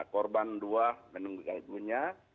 korban dua meninggal dunia